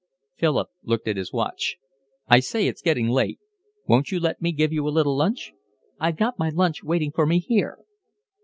Philip looked at his watch. "I say, it's getting late. Won't you let me give you a little lunch?" "I've got my lunch waiting for me here."